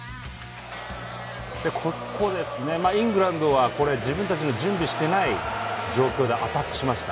イングランドは自分たちの準備していない状況でアタックしました。